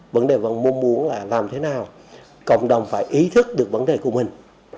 vấn đề vẫn mong muốn là làm thế nào cộng đồng phải ý thức được vấn đề của mình